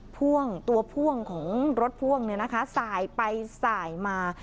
พ่วงตัวพ่วงของรถพ่วงเนี่ยนะคะสายไปสายมา